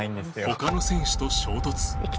他の選手と衝突。